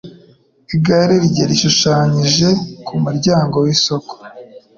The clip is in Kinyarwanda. Igare rye ryashushanyije ku muryango w’isoko.